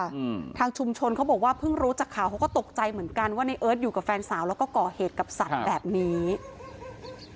อืมทางชุมชนเขาบอกว่าเพิ่งรู้จากข่าวเขาก็ตกใจเหมือนกันว่าในเอิร์ทอยู่กับแฟนสาวแล้วก็ก่อเหตุกับสัตว์แบบนี้